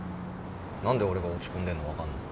何で俺が落ち込んでんの分かんの？